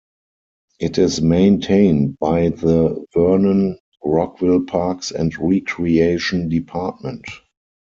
It is maintained by the Vernon-Rockville Parks and Recreation Department.